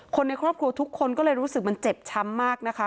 คนในครอบครัวทุกคนก็เลยรู้สึกมันเจ็บช้ำมากนะคะ